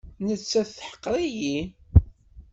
Nettat teḥqer-iyi.